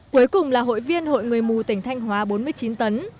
cuối cùng là hội viên hội người mù tỉnh thanh hóa bốn mươi chín tấn